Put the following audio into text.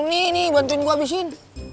ini nih bantuin gue habisin